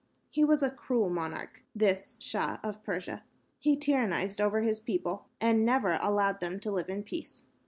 He was a cruel monarch, this Shah of Persia. He tyrannized over his people and never allowed them to live in peace.